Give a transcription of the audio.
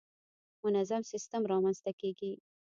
منظم سیستم رامنځته کېږي.